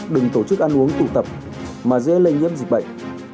đừng tổ chức ăn uống tụ tập mà dễ lây nhiễm dịch bệnh